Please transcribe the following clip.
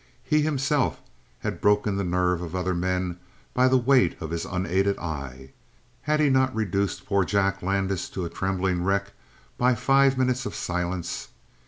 He, himself, had broken the nerve of other men by the weight of his unaided eye. Had he not reduced poor Jack Landis to a trembling wreck by five minutes of silence?